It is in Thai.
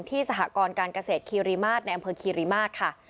สหกรการเกษตรคีรีมาตรในอำเภอคีรีมาศค่ะ